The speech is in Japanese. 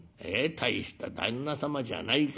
大した旦那様じゃないか。